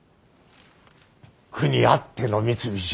国あっての三菱！